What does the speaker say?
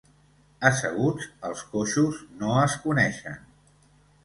Asseguts, els coixos no es coneixen.